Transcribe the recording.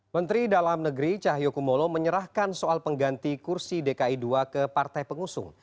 menteri dalam negeri cahyo kumolo menyerahkan soal pengganti kursi dki ii ke partai pengusung